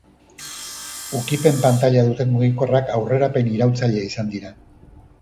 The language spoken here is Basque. Ukipen-pantaila duten mugikorrak aurrerapen iraultzailea izan dira.